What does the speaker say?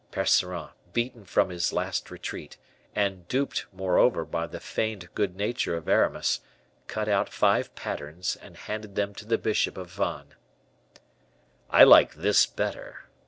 Percerin, beaten from his last retreat, and duped, moreover, by the feigned good nature of Aramis, cut out five patterns and handed them to the bishop of Vannes. "I like this better.